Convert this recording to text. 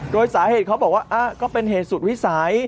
โดยสาเหตุเขาบอกว่าก็เป็นเหตุสุดวิสัย